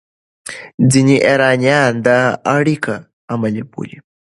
ځینې ایرانیان دا اړیکه عملي بولي.